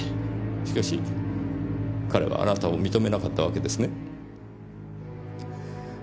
しかし彼はあなたを認めなかったわけですね？